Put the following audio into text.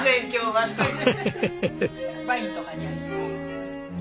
ワインとかに合いそう。